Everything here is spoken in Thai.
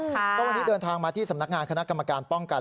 ก็วันนี้เดินทางมาที่สำนักงานคณะกรรมการป้องกัน